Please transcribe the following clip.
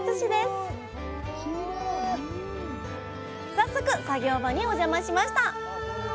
早速作業場にお邪魔しました